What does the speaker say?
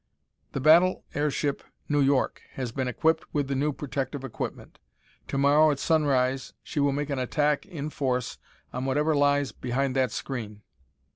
"The battle airship New York has been equipped with the new protective equipment. To morrow at sunrise she will make an attack in force on whatever lies behind that screen.